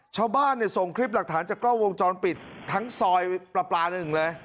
ชาวบ้านเนี่ยส่งคลิปหลักฐานจากกล้องวงจรปิดทั้งซอยปลาปลาหนึ่งเลย